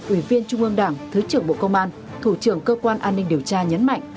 ủy viên trung ương đảng thứ trưởng bộ công an thủ trưởng cơ quan an ninh điều tra nhấn mạnh